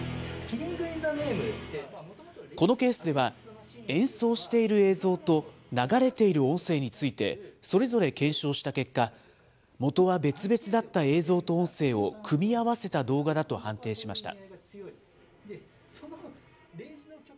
このケースでは、演奏している映像と、流れている音声について、それぞれ検証した結果、もとは別々だった映像と音声を組み合わせた動画だと判定しました。